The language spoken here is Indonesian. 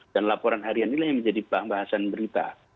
dan laporan harian ini yang menjadi pembahasan berita